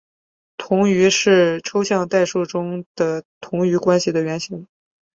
同余是抽象代数中的同余关系的原型。